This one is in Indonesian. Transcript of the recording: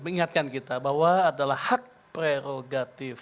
mengingatkan kita bahwa adalah hak prerogatif